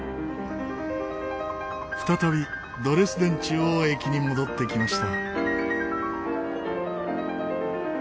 再びドレスデン中央駅に戻ってきました。